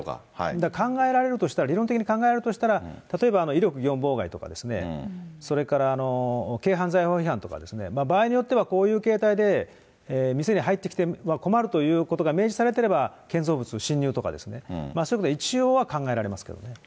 だから考えられるとしたら、理論的に考えられるとしたら、例えば威力業務妨害とかですね、それから軽犯罪法違反とかですね、場合によっては、こういう形態で、店に入ってきては困るということが明示されてれば、建造物侵入とかですね、そういうことは一応は考えられますけどね。